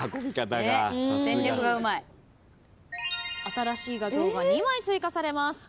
新しい画像が２枚追加されます。